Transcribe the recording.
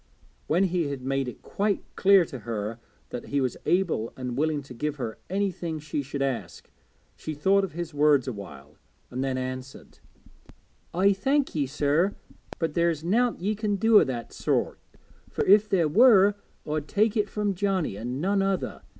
When he had made it quite clear to her that he was able and willing to give her anything she should ask, she thought of his words a while, and then answered 'I thank ye, sir, but there's nowt ye can do o' that sort, fur if there was I'd take it from Johnnie an' none other.